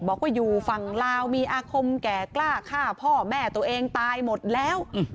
บอกว่าอยู่ฝั่งลาวมีอาคมแก่กล้าฆ่าพ่อแม่ตัวเองตายหมดแล้ว